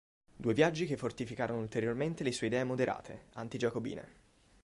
Due viaggi che fortificarono ulteriormente le sue idee moderate, anti-giacobine.